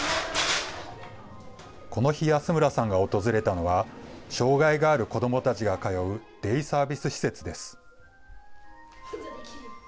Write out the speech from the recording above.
この日、安村さんが訪れたのは、障害がある子どもたちが通うデイサービス施設です。